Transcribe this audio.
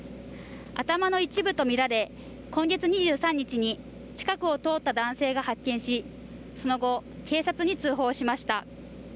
頭の一部とみられ、今月２３日に近くを通った男性が発見しその後、警察に通報しました。